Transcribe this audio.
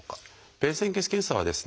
便潜血検査はですね